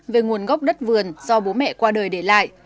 về nguồn gốc đất vườn do bố mẹ qua đời để lại